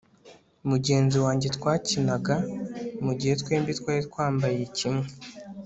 mugenzi wanjye twakinaga mugihe twembi twari twambaye kimwe